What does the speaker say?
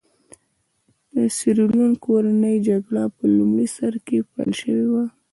د سیریلیون کورنۍ جګړه په لومړي سر کې پیل شوې وه.